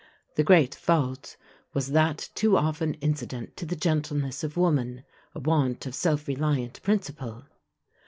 The great fault was, that too often incident to the gentleness of woman a want of self reliant principle.